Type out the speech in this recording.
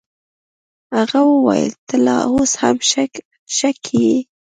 هغه وويل ته لا اوس هم شک کيې.